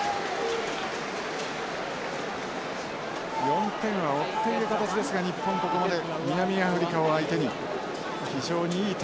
４点を追っている形ですが日本ここまで南アフリカを相手に非常にいい戦い。